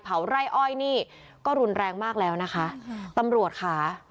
ไร่อ้อยนี่ก็รุนแรงมากแล้วนะคะตำรวจค่ะ